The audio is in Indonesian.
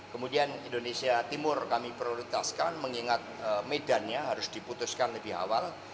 kemudian indonesia timur kami prioritaskan mengingat medannya harus diputuskan lebih awal